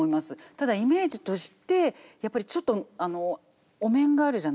ただイメージとしてやっぱりちょっとお面があるじゃないですか。